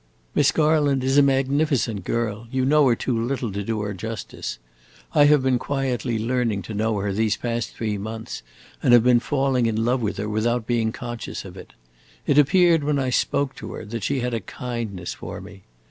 Miss Garland is a magnificent girl; you know her too little to do her justice. I have been quietly learning to know her, these past three months, and have been falling in love with her without being conscious of it. It appeared, when I spoke to her, that she had a kindness for me.